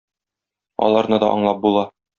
Аларны да аңлап була.